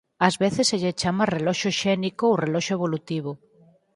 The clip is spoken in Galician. Ás veces se lle chama reloxo xénico ou reloxo evolutivo.